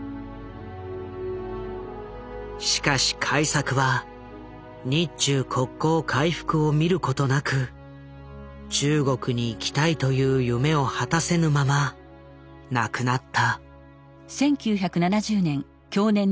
しかし開作は日中国交回復を見ることなく中国に行きたいという夢を果たせぬまま亡くなった。